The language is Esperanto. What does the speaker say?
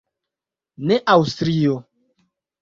Ne Aŭstrio.